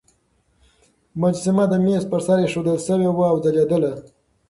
مجسمه د مېز پر سر ایښودل شوې وه او ځلېدله.